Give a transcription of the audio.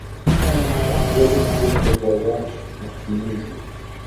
Аргуэру жьыр къыкъуэуащ, нэхъ иныжу.